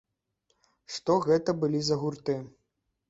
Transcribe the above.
Што гэта былі за гурты?